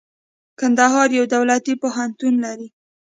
کندهار يو دولتي پوهنتون لري.